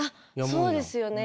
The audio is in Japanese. そうですよね。